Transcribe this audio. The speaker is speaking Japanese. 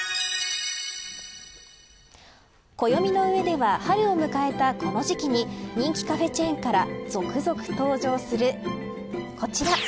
暦の上では春を迎えたこの時期に人気カフェチェーンから続々、登場するこちら。